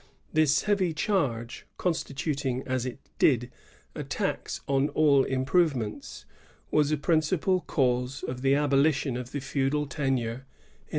This heavy charge, constitut ing as it did a tax on all improvements, was a prin cipal cause of the abolition of the feudal tenure in 1854.